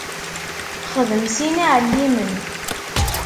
Xdem sin iɛellimen.